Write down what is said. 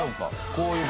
こういう事？